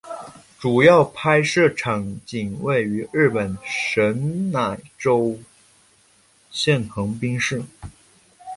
主要拍摄场景位于日本神奈川县横滨市。